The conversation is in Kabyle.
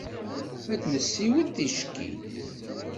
Ad nessiwel ticki.